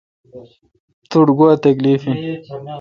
تو ٹھ گوا تکلیف این؟